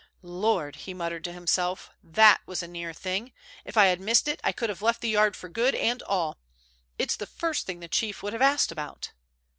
"Lord!" he muttered to himself, "that was a near thing. If I had missed it, I could have left the Yard for good and all. It's the first thing the Chief would have asked about."